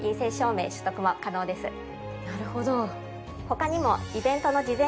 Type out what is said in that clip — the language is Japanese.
なるほど。